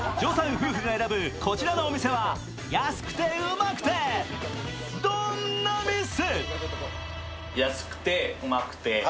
夫婦が選ぶこちらのお店は、安くてウマくてどんな店？